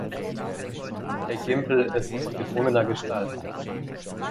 Der Gimpel ist von gedrungener Gestalt.